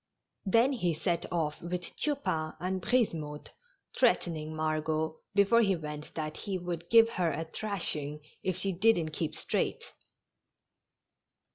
Then he set off with Tupain and Brisemotte, threatening Margot before he went that he would give her a thrashing if she didn't keep straight.